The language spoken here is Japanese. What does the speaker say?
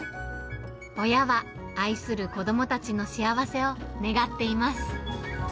親は愛する子どもたちの幸せを願っています。